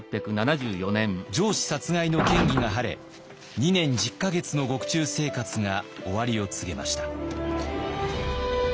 上司殺害の嫌疑が晴れ２年１０か月の獄中生活が終わりを告げました。